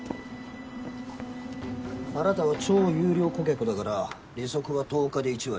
あなたは超優良顧客だから利息は１０日で１割。